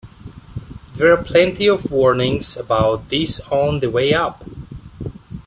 There are plenty of warnings about this on the way up.